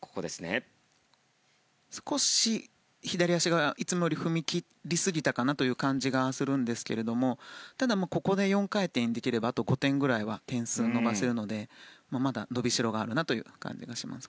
少し左足がいつもより踏み切り過ぎた感じがするんですがただ、ここで４回転ができればあと５点ぐらいは点数を伸ばせるのでまだ伸びしろがあるなという感じがします。